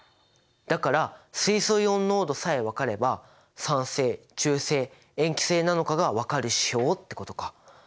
だから水素イオン濃度さえ分かれば酸性中性塩基性なのかが分かる指標ってことか。